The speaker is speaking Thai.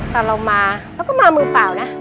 ตอนเรามาเราก็มามือเปล่านะ